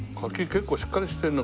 結構しっかりしてるな。